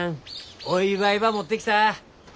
お祝いば持ってきた。